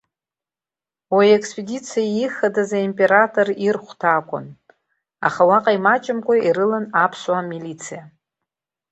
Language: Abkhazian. Уи аекспедициа ихадаз аимператор ирхәҭа акәын, аха уаҟа имаҷымкәа ирылан аԥсуа милициа.